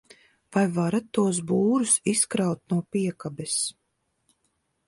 Vai varat tos būrus izkraut no piekabes?